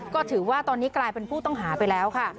ก็ถือว่าตอนนี้กลายเป็นผู้ต้องหาไปแล้วค่ะ